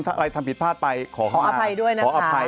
อะไรทำผิดพลาดไปขออภัยด้วยนะคะขออภัย